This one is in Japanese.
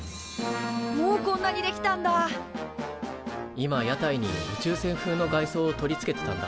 今屋台に宇宙船風の外装を取り付けてたんだ。